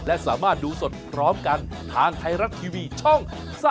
และสามารถดูสดพร้อมกันทางไทยรัฐทีวีช่อง๓๒